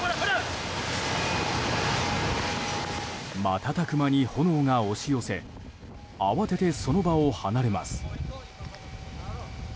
瞬く間に炎が押し寄せ慌てて、その場を離れます。